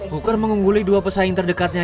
booker mengungguli dua pesaing terdekatnya